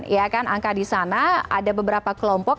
ya kan angka di sana ada beberapa kelompok